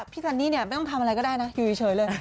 ซันนี่ไม่ต้องทำอะไรก็ได้นะอยู่เฉยเลย